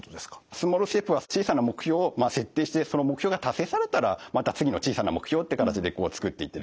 スモールステップは小さな目標を設定してその目標が達成されたらまた次の小さな目標っていう形でつくっていってですね